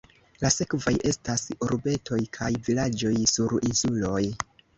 La sekvaj estas urbetoj kaj vilaĝoj sur insuloj.